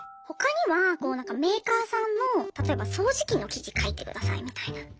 他にはなんかメーカーさんの例えば掃除機の記事書いてくださいみたいな。